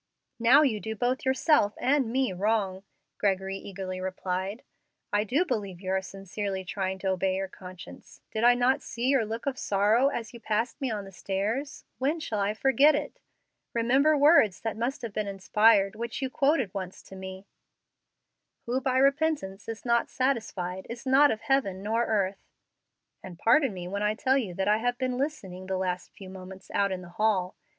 "Now you do both yourself and me wrong," Gregory eagerly replied. "I do believe you are sincerely trying to obey your conscience. Did I not see your look of sorrow as you passed me on the stairs? when shall I forget it! Remember words that must have been inspired, which you once quoted to me "'Who by repentance is not satisfied Is not of heaven nor earth,' and pardon me when I tell you that I have been listening the last few moments out in the hall.